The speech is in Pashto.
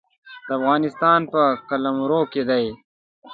د افغانستان په قلمرو کې دی.